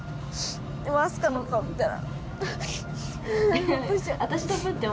でも、明日香の顔見たら。